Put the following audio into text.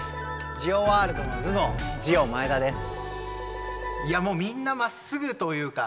ジオワールドの頭脳ジオマエダです。